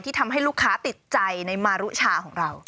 ทำให้ลูกค้าติดใจในมารุชาของเรา